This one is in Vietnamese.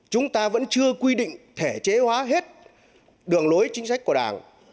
chúng ta vẫn chưa quy định thể chế hóa hết đường lối chính sách của đảng